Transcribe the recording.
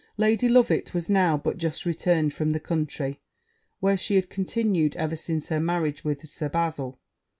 Lady Loveit was now but just returned from the country, where she had continued ever since her marriage to Sir Bazil.